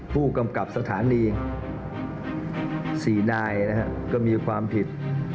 ผู้กำกับสถานี๔นายก็มีความผิด